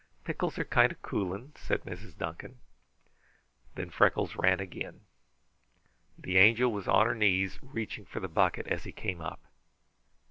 "Pickles are kind o' cooling," said Mrs. Duncan. Then Freckles ran again. The Angel was on her knees, reaching for the bucket, as he came up.